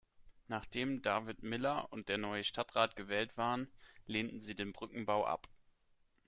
Nachdem David Miller und der neue Stadtrat gewählt waren, lehnten sie den Brückenbau ab.